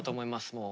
もう。